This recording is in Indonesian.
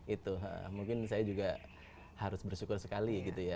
itu mungkin saya juga harus bersyukur sekali gitu ya